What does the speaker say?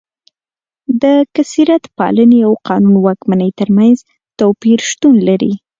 د کثرت پالنې او قانون واکمنۍ ترمنځ توپیر شتون لري.